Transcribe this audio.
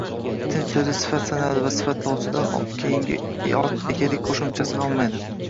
Tinch soʻzi sifat sanaladi va sifatlovchidan keyingi ot egalik qoʻshimchasini olmaydi